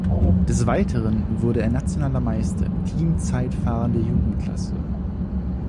Des Weiteren wurde er nationaler Meister im Teamzeitfahren der Jugendklasse.